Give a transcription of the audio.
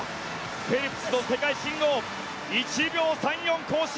フェルプスの世界新を１秒３４更新。